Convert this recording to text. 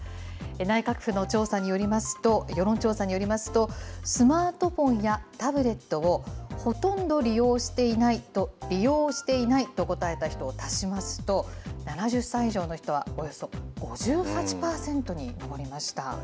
内閣府の世論調査によりますと、スマートフォンやタブレットをほとんど利用していないと、利用していないと答えた人を足しますと、７０歳以上の人はおよそ５８％に上りました。